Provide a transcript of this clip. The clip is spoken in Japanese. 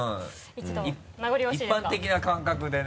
一般的な感覚でね。